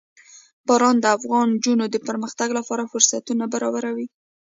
باران د افغان نجونو د پرمختګ لپاره فرصتونه برابروي.